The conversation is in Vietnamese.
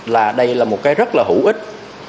là đây là một cái rất là hữu ích